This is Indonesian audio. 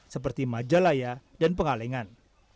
seperti majalaya dan pengalengan